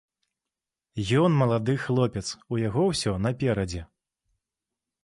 Ён малады хлопец, у яго ўсё наперадзе.